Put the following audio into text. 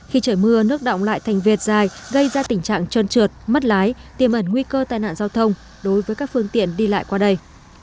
khi trời mưa nước động lại thành vệt dài gây ra tình trạng trơn trượt mất lái tiềm ẩn nguy cơ tai nạn giao thông đối với các phương tiện đi lại qua đây